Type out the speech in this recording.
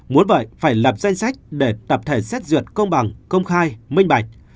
muốn vậy phải lập danh sách để tập thể xét duyệt công bằng công khai minh bạch